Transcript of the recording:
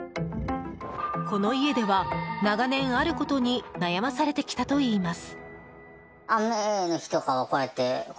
この家では長年、あることに悩まされてきたといいます。